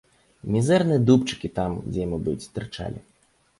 Мізэрныя дубчыкі там, дзе яму быць, тырчалі.